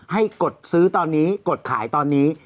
กดซื้อตอนนี้กดขายตอนนี้